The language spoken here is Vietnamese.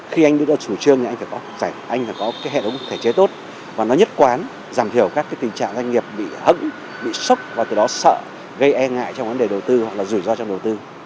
khi anh đưa ra chủ trương thì anh phải có hệ thống thể chế tốt và nó nhất quán giảm thiểu các tình trạng doanh nghiệp bị hẫn bị sốc và từ đó sợ gây e ngại trong vấn đề đầu tư hoặc là rủi ro trong đầu tư